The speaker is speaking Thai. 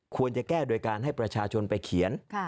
ควรจะแก้โดยการให้ประชาชนไปเขียน